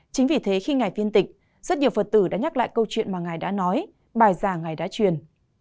chính vì thế khi ngày phiên tịch rất nhiều phật tử đã nhắc lại câu chuyện mà ngài đã nói bài giảng ngày đã truyền